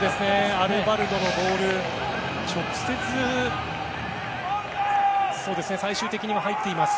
アルバルドのボールが直接、最終的に入っています。